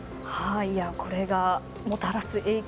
これがもたらす影響